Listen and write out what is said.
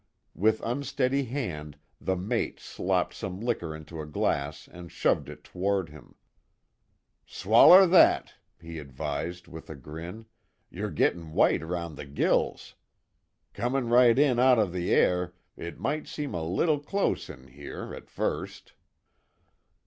With unsteady hand the mate slopped some liquor into a glass and shoved it toward him: "Swaller that," he advised, with a grin, "Yer gittin' white 'round the gills. Comin' right in out of the air, it might seem a leetle close in here, at first."